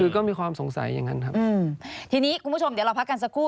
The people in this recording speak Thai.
ก็มีความสงสัยอย่างนั้นครับทีนี้คุณผู้ชมเดี๋ยวเราพักกันสักครู่